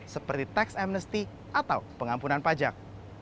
seperti tax amnesty atau pengampunan pajak